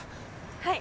はい。